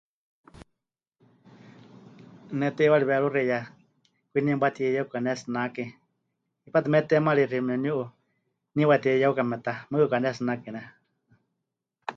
Ne teiwari weruxieya kwinie mɨwatiyeyeu pɨkanetsinake, hipátɨ me teemarixi memɨniu'u nie watiyeyeukame ta, mɨɨkɨ pɨkanetsinake ne.